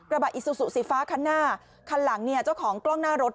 ระบะอิซุสุสีฟ้าข้างหน้าข้างหลังเจ้าของกล้องหน้ารถ